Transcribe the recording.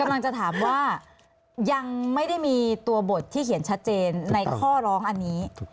กำลังจะถามว่ายังไม่ได้มีตัวบทที่เขียนชัดเจนในข้อร้องอันนี้